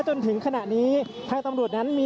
คุณภูริพัฒน์ครับ